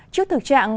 trước thực trạng